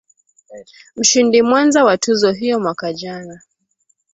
Mshindi mwenza wa tuzo hiyo mwaka jana